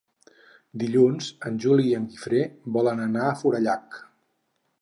Dilluns en Juli i en Guifré volen anar a Forallac.